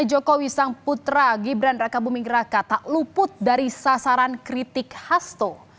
saudara tidak hanya jokowi sang putra gibran raka bumingraka tak luput dari sasaran kritik hasto